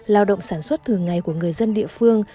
lao động sản xuất thường ngày của người dân địa phương